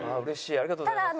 ありがとうございます。